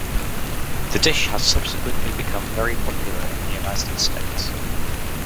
The dish has subsequently become very popular in the United States.